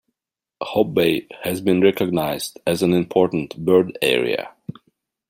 Hope Bay has been recognised as an Important Bird Area.